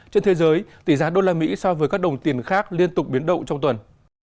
trên thế giới tỷ giá usd so với các đồng tiền khác liên tục biến động trong tuần